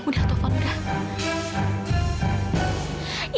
sudah fadil sudah